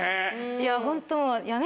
いやホントもう。